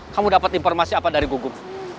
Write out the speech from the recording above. kamu dapat informasi apa dari gugup